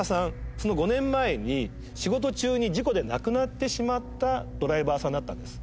その５年前に仕事中に事故で亡くなってしまったドライバーさんだったんです。